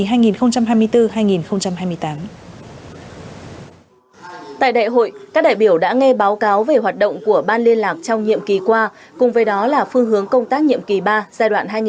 tại đại hội các đại biểu đã nghe báo cáo về hoạt động của ban liên lạc trong nhiệm kỳ qua cùng với đó là phương hướng công tác nhiệm kỳ ba giai đoạn hai nghìn hai mươi hai nghìn hai mươi năm